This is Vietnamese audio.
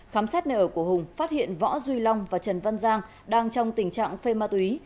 khám xét nơi ở của hùng phát hiện võ duy long và trần văn giang đang trong tình trạng phê ma túy